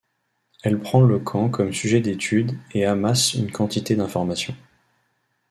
Elle prend le camp comme sujet d'étude et amasse une quantité d'informations.